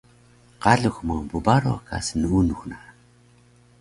Qalux ma bbaro ka snuunux na